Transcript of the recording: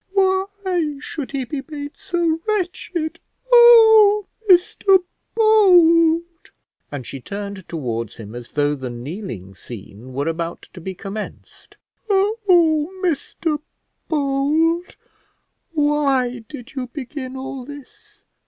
why should he be made so wretched? Oh! Mr Bold," and she turned towards him as though the kneeling scene were about to be commenced, "oh! Mr Bold, why did you begin all this?